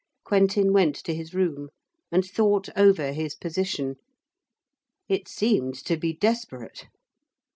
Quentin went to his room and thought over his position. It seemed to be desperate.